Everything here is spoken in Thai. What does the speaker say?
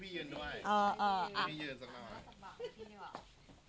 พี่พี่ยืนด้วยพี่พี่ยืนด้วย